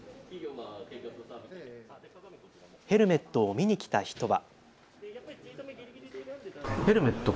ヘルメットを見に来た人は。